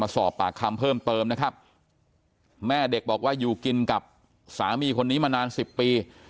สอบปากคำเพิ่มเติมนะครับแม่เด็กบอกว่าอยู่กินกับสามีคนนี้มานานสิบปี